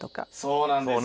そうなんですよ。